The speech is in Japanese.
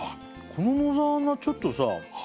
この野沢菜ちょっとさああ